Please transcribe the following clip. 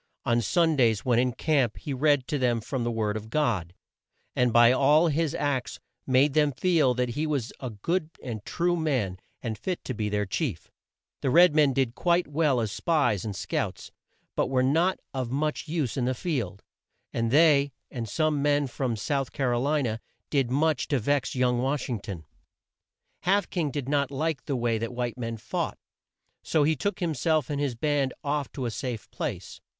On Sundays, when in camp, he read to them from the word of God, and by all his acts made them feel that he was a good and true man, and fit to be their chief. The red men did quite well as spies and scouts, but were not of much use in the field, and they, and some men from South Car o li na, did much to vex young Wash ing ton. Half King did not like the way that white men fought, so he took him self and his band off to a safe place.